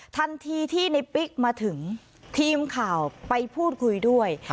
ทันทีที่ในปิ๊กมาถึงทีมข่าวไปพูดคุยด้วย